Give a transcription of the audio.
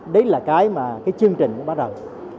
đấy là cái mà cái chương trình nó bắt đầu